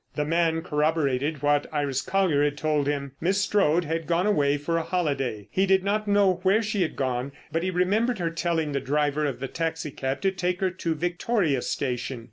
The man corroborated what Iris Colyer had told him. Miss Strode had gone away for a holiday. He did not know where she had gone, but he remembered her telling the driver of the taxi cab to take her to Victoria Station.